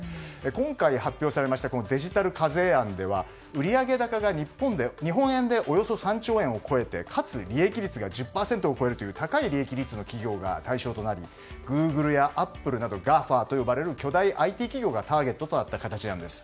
今回発表されましたデジタル課税案では、売上高が日本円でおよそ３兆円を超えてかつ利益率が１０％を超えるという高い利益率の企業が対象となりグーグルやアップルなどＧＡＦＡと呼ばれる巨大ＩＴ企業がターゲットとなった形です。